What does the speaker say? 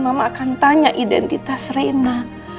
mama akan tanya identitas rena